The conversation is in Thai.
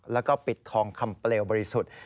แล้วก็ปิดทองคำเปลวบริสุทธิ์